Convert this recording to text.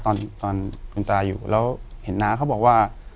ตอนคุณตาอยู่แล้วเห็นน้าเขาบอกว่า